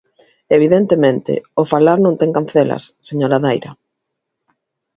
Evidentemente, o falar non ten cancelas, señora Daira.